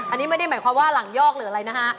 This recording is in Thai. อันนี้ไม่ได้หมายความว่าหลังยอกหรืออะไรนะฮะ